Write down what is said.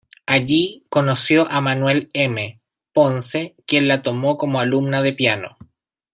Allí, conoció a Manuel M. Ponce quien la tomó como alumna de piano.